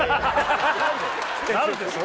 なるでしょ？